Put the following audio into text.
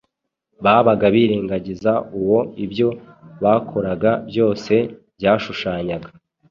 babaga birengagiza uwo ibyo bakoraga byose byashushanyaga.